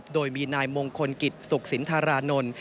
โดยมีนายมงคลกิจสุขสินธารานนท์